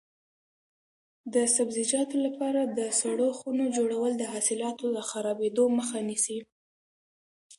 د سبزیجاتو لپاره د سړو خونو جوړول د حاصلاتو د خرابېدو مخه نیسي.